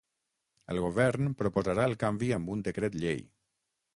El govern proposarà el canvi amb un decret llei.